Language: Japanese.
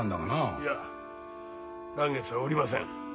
いや嵐月は売りません。